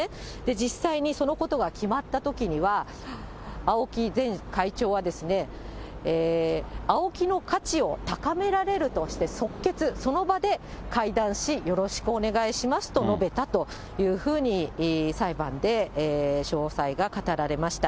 実際にそのことが決まったときには、ＡＯＫＩ前会長は、ＡＯＫＩの価値を高められるとして即決、その場で快諾し、よろしくお願いしますと述べたというふうに裁判で詳細が語られました。